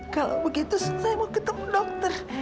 kalau begitu saya mau ketemu dokter